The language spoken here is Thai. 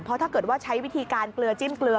เพราะถ้าเกิดว่าใช้วิธีการเกลือจิ้มเกลือ